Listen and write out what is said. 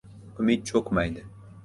• Umid cho‘kmaydi.